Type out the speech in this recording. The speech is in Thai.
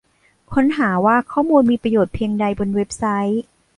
ค้นหาว่าข้อมูลมีประโยชน์เพียงใดบนเว็บไซต์